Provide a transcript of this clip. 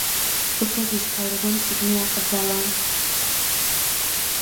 თურქეთის მთავრობამ წიგნი აკრძალა.